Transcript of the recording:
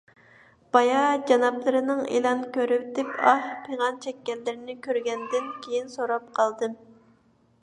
بايا جانابلىرىنىڭ ئېلان كۆرۈۋېتىپ ئاھ - پىغان چەككەنلىكلىرىنى كۆرگەندىن كېيىن سوراپ قالدىم.